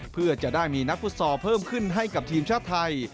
เพื่อจะได้มีนักฟุตซอลเพิ่มขึ้นให้กับทีมชาติไทย